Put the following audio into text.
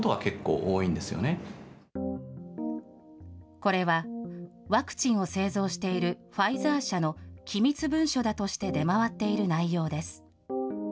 これはワクチンを製造しているファイザー社の機密文書だとして出回っている内容です。